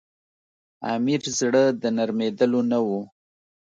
امیر زړه د نرمېدلو نه وو.